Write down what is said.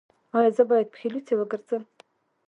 ایا زه باید پښې لوڅې وګرځم؟